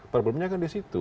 problemnya kan disitu